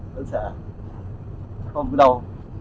vẫn sợ không có đau